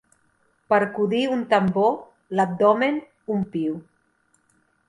Percudir un tambor, l'abdomen, un piu.